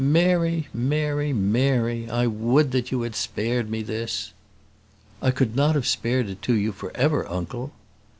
"Mary, Mary, Mary! I would that you had spared me this!" "I could not have spared it to you for ever, uncle."